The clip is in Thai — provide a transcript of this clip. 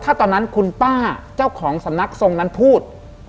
ถ้าตอนนั้นคุณป้าเจ้าของสำนักทรงนั้นพูด